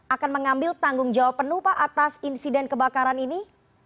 akan mengambil tanggung jawab penuh pak atas insiden kebakaran ini